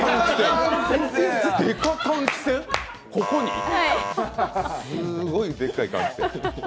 ここに？